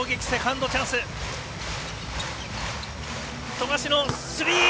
富樫のスリー！